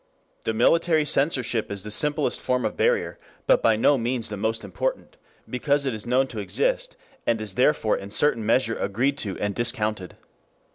The military censorship is the simplest form of barrier, but by no means the most important, because it is known to exist, and is therefore in certain measure agreed to and discounted.